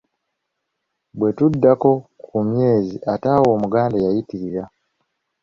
Bwe tuddako ku myezi ate awo Omuganda yayitirira!